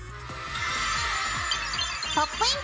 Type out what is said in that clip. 「ポップイン！